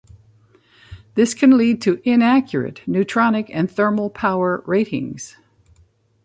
This can lead to inaccurate neutronic and thermal power ratings.